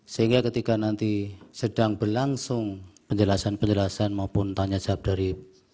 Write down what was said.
sehingga ketika nanti sedang berlangsung penjelasan penjelasan maupun tanya jawab dari